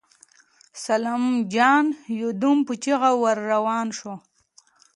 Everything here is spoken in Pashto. سلام جان يودم په چيغه ور روان شو.